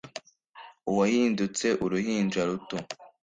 Uwahindutse uruhinja ruto,